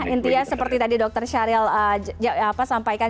intinya seperti tadi dokter syahril sampaikan